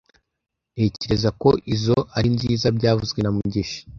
Ntekereza ko izoi ari nziza byavuzwe na mugisha